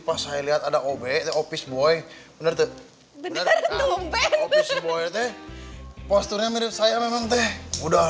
pas saya lihat ada objek office boy bener bener bener bener posturnya mirip saya memang teh udah